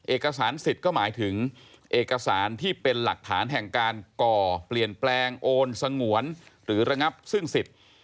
เอกสารสิทธิ์ก็หมายถึงเอกสารที่เป็นหลักฐานแห่งการก่อเปลี่ยนแปลงโอนสงวนหรือระงับซึ่งสิทธิ์